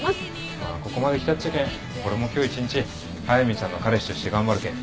まあここまで来たっちゃけん俺も今日一日速見さんの彼氏として頑張るけん。